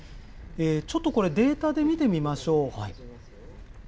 ちょっとこれデータで見てみましょう。